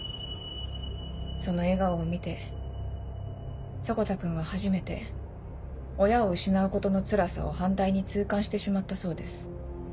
その笑顔を見て迫田君は初めて親を失うことのつらさを反対に痛感してしまったそうです。